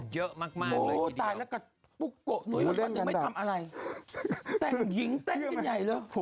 เยอะมากเลยทีเดียวแฟนก็ปุ๊กโกะหนูอยู่แล้วไม่ทำอะไรแต่งหญิงแต่งกันใหญ่เลย